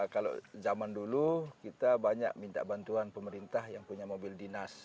kalau zaman dulu kita banyak minta bantuan pemerintah yang punya mobil dinas